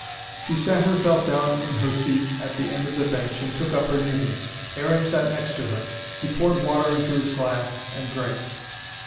She sat herself down in her seat at the end of the bench, and took up her knitting. Aaron sat next to her. He poured water into his glass, and drank.